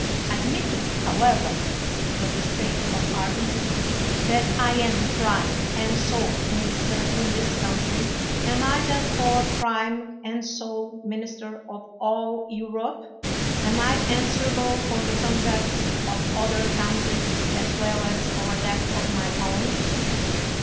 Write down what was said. Admitting, however, for the sake of argu ment, that I am prime and sole minister in this country, am I, therefore, prime and sole minis ter of all Europe? Aju I answerable for the conduct of other countries as well as for that of my own